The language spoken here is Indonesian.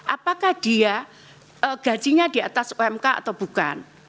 apakah dia gajinya di atas umk atau bukan